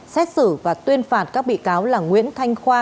xét xử và tuyên phạt các bị cáo là nguyễn thanh khoa